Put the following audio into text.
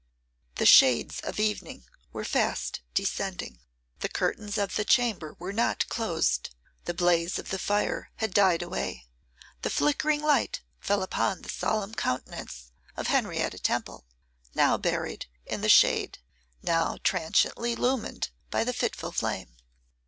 The shades of evening were fast descending, the curtains of the chamber were not closed, the blaze of the fire had died away. The flickering light fell upon the solemn countenance of Henrietta Temple, now buried in the shade, now transiently illumined by the fitful flame.